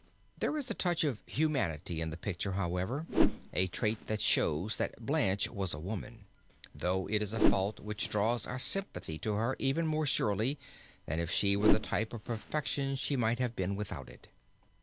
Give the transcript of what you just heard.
There is a touch of humanity in the picture, however, a trait that shows, that Blanche was a woman, though it is a fault which draws our sympathy to her even more surely than if she were the type of perfection she might have been without it.